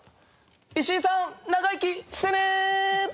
石井さん長生きしてね！